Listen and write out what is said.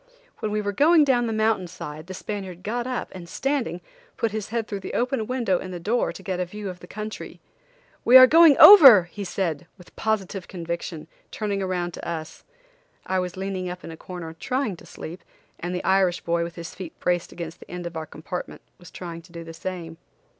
When we were going down the mountain side the Spaniard got up, and standing, put his head through the open window in the door to get a view of the country. "We are going over," he said, with positive conviction, turning around to us. I was leaning up in a corner trying to sleep and the Irish boy, with his feet braced against the end of the compartment, was trying to do the same.